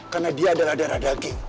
karena dia adalah darah daging